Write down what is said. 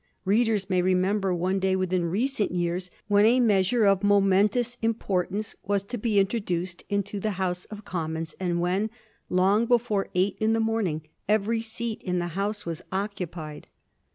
Readers may remember one day within recent yeai*s when a measure of momentous impor tance was to be introduced into the House of Commons, and when, long before eight in the morning, every seat in the House was occupied.